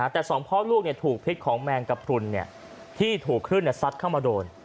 แต่สองพ่อลูกถูกพิษของแมงกระพรุนที่ถูกคลื่นซัดเข้ามาโดน